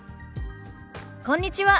こんにちは。